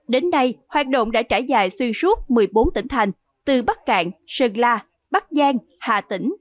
đến nay hoạt động đã trải dài xuyên suốt một mươi bốn tỉnh thành từ bắc cạn sơn la bắc giang hà tĩnh